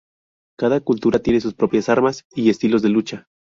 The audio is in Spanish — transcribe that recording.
Cada cultura tiene sus propias armas y estilos de lucha.